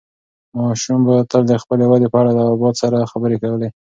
ماشوم به تل د خپلې ودې په اړه له ابا سره خبرې کولې.